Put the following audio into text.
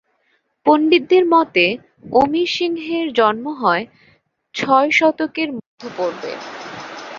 পন্ডিতদের মতে, অমরসিংহের জন্ম হয় ছয় শতকের মধ্যপর্বে।